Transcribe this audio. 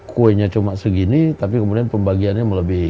kuenya cuma segini tapi kemudian pembagiannya melebihi